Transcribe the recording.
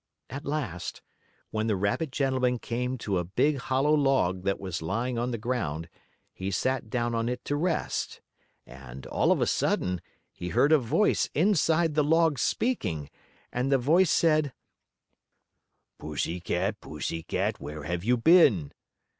At last, when the rabbit gentleman came to a big hollow log that was lying on the ground, he sat down on it to rest, and, all of a sudden, he heard a voice inside the log speaking. And the voice asked: "Pussy cat, pussy cat, where have you been?"